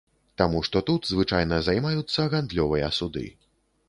Таму што тут звычайна займаюцца гандлёвыя суды.